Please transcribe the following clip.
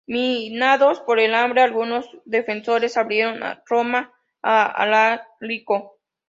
Minados por el hambre, algunos defensores abrieron Roma a Alarico.